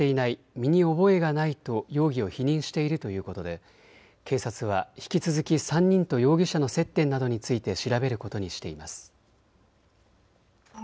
身に覚えがないと容疑を否認しているということで警察は引き続き３人と容疑者の接点などについて調べることにしています。